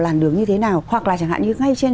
làn đường như thế nào hoặc là chẳng hạn như ngay trên